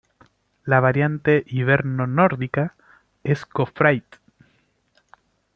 La variante hiberno-nórdica es Gofraid.